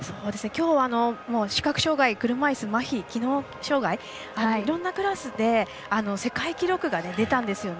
きょうは視覚障がい、車いすまひ、機能障がいいろんなクラスで世界記録が出たんです。